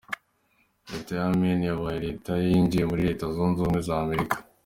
Leta ya Maine yabaye leta ya yinjiye muri Leta zunze ubumwe za Amerika.